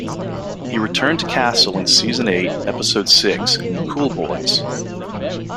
He returned to Castle in season eight, episode six "Cool Boys".